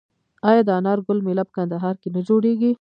آیا د انار ګل میله په کندهار کې نه جوړیږي؟